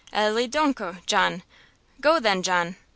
Allez donc, John!" "Go, then, John!"